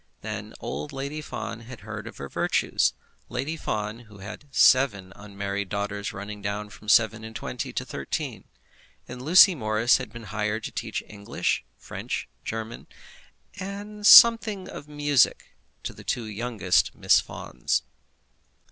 Then old Lady Fawn had heard of her virtues, Lady Fawn, who had seven unmarried daughters running down from seven and twenty to thirteen, and Lucy Morris had been hired to teach English, French, German, and something of music to the two youngest Miss Fawns.